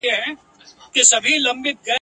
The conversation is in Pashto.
یووار بیا درڅخه غواړم تور او سور زرغون بیرغ مي ..